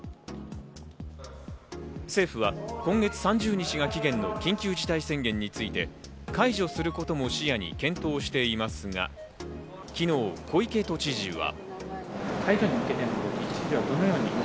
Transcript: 政府は今月３０日が期限の緊急事態宣言について、解除することも視野に検討していますが、昨日、小池都知事は。